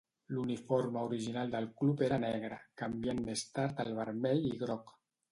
L'uniforme original del club era negre, canviant més tard al vermell i groc.